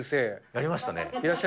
やりましたね。